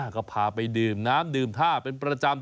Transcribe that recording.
ก็พาไปดื่มน้ำดื่มท่าเป็นประจำ